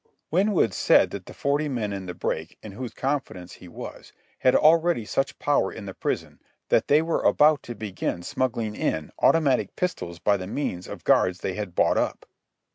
Winwood said that the forty men in the break, in whose confidence he was, had already such power in the Prison that they were about to begin smuggling in automatic pistols by means of the guards they had bought up.